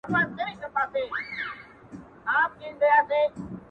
خو څو ستوري په گردو کي را ايسار دي